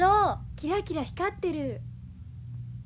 キラキラ光ってる。